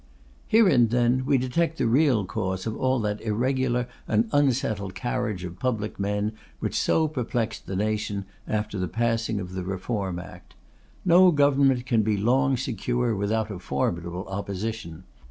Herein, then, we detect the real cause of all that irregular and unsettled carriage of public men which so perplexed the nation after the passing of the Reform Act. No government can be long secure without a formidable Opposition.